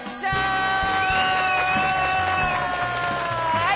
はい！